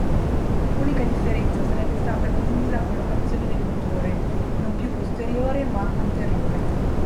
Unica differenza sarebbe stata quindi la collocazione del motore, non più posteriore ma anteriore.